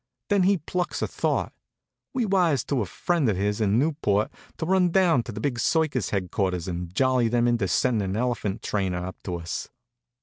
Then he plucks a thought. We wires to a friend of his in Newport to run down to the big circus headquarters and jolly them into sending an elephant trainer up to us.